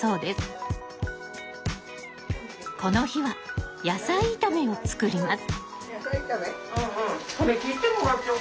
この日は野菜炒めを作ります。